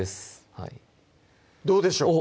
はいどうでしょう？